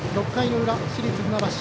６回の裏、市立船橋。